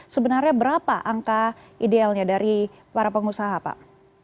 sebenarnya berapa angka idealnya dari para pengusaha pak